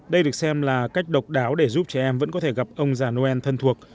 đây được xem là cách độc đáo để giúp trẻ em vẫn có thể gặp ông già noel thân thuộc